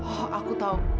oh aku tahu